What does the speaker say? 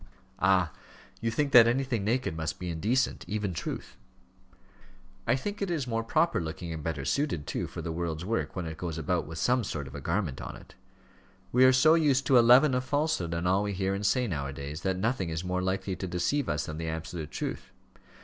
"Ah, you think that anything naked must be indecent; even truth." "I think it is more proper looking, and better suited, too, for the world's work, when it goes about with some sort of a garment on it. We are so used to a leaven of falsehood in all we hear and say, now a days, that nothing is more likely to deceive us than the absolute truth.